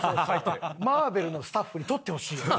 マーベルのスタッフに撮ってほしいよね。